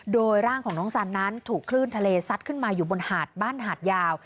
โดยร่างของน้องสันนั้นถูกคลื่นทะเลซัดขึ้นมาอยู่บนหาดบ้านหาดยาว